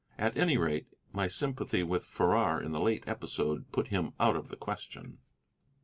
At any rate, my sympathy with Farrar in the late episode put him out of the question.